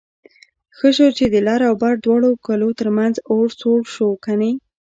ښه شو چې د لر او بر دواړو کلو ترمنځ اور سوړ شو کني...